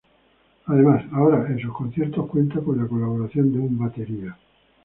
Además, ahora en sus conciertos cuentan con la colaboración de un batería.